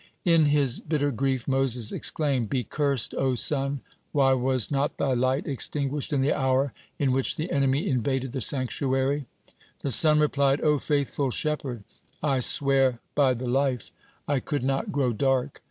(37) In his bitter grief, Moses exclaimed: "Be cursed, O sun, why was not thy light extinguished in the hour in which the enemy invaded the sanctuary?" The sun replied: "O faithful shepherd, I sware by the life, I could not grow dark.